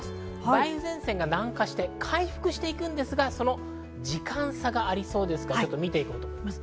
梅雨前線が南下して回復していくんですが、時間差がありそうですから見ていきます。